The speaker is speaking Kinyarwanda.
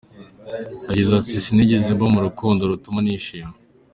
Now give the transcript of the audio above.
Yagize ati “ Sintigeze mba mu rukundo rutuma nishima ….